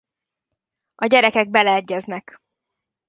A gyerekek beleegyeznek.